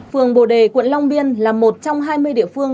phường bồ đề quận long biên là một trong hai mươi địa phương